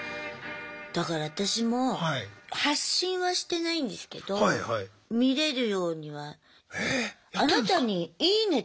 だから私も発信はしてないんですけど見れるようには。えやってんですか？